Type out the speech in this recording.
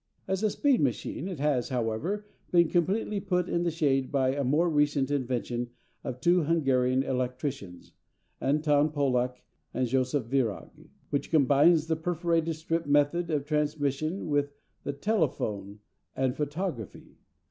As a speed machine it has, however, been completely put in the shade by a more recent invention of two Hungarian electricians, Anton Pollak and Josef Virag, which combines the perforated strip method of transmission with the telephone and photography.